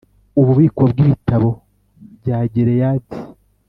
ububiko bw ibitabo bwa gileyadi